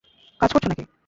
কাজ করছ নাকি?